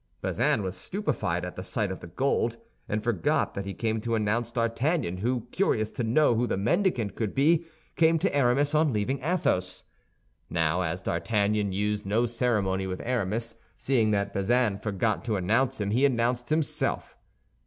Bazin was stupefied at the sight of the gold, and forgot that he came to announce D'Artagnan, who, curious to know who the mendicant could be, came to Aramis on leaving Athos. Now, as D'Artagnan used no ceremony with Aramis, seeing that Bazin forgot to announce him, he announced himself.